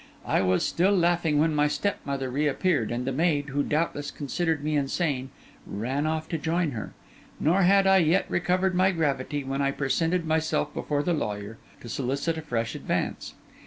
I was still laughing when my stepmother reappeared, and the maid, who doubtless considered me insane, ran off to join her; nor had I yet recovered my gravity when I presented myself before the lawyer to solicit a fresh advance.